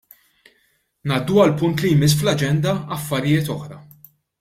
Ngħaddu għall-punt li jmiss fl-Aġenda ' Affarijiet oħra'.